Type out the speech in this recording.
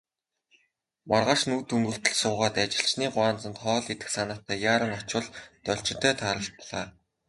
Маргааш нь үд өнгөртөл суугаад, ажилчны гуанзанд хоол идэх санаатай яаран очвол Должинтой тааралдлаа.